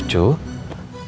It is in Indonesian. mau kehilangan uang sebesar itu